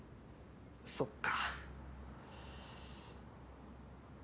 そっか。